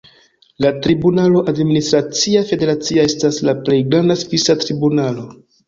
La tribunalo administracia federacia estas la plej granda svisa tribunalo.